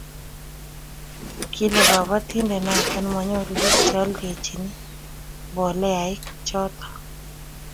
kile kabotindet noto manyoru biik che oldochini mboleaik choto